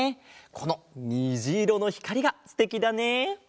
このにじいろのひかりがすてきだね！